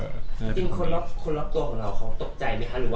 จริงคนรอบตัวของเราเขาตกใจไหมคะ